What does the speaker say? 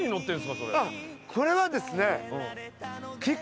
これはですね。